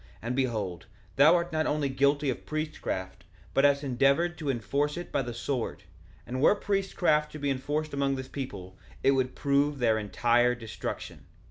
And behold, thou art not only guilty of priestcraft, but hast endeavored to enforce it by the sword; and were priestcraft to be enforced among this people it would prove their entire destruction.